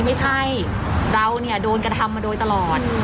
ไม่ใช่เราเนี่ยโดนกระทำมาโดยตลอด